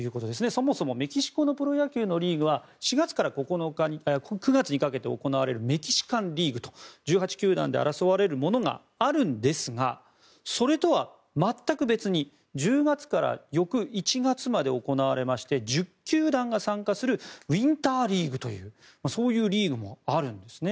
そもそもメキシコのプロ野球のリーグは４月から９月にかけて行われるメキシカンリーグと１８球団で争われるものがあるんですがそれとは全く別に１０月から翌１月まで行われる１０球団が参加するウィンターリーグというそういうリーグもあるんですね。